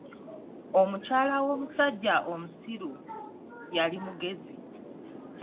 Omukyala w'omusajja omusiru yali mugezi.